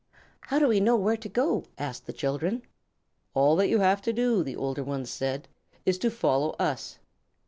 "How do we know where to go?" asked the children. "All that you have to do," the older ones said, "is to follow us."